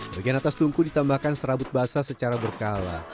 bagian atas tungku ditambahkan serabut basah secara berkala